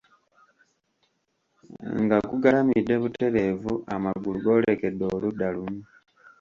Nga gugalamidde butereevu amagulu goolekedde oludda lumu.